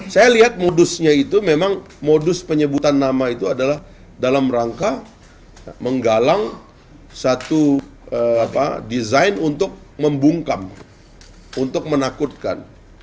saya lihat modusnya itu memang modus penyebutan nama itu adalah dalam rangka menggalang satu desain untuk membungkam untuk menakutkan